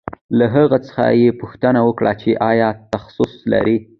له هغه څخه یې پوښتنه وکړه چې آیا تخصص لرې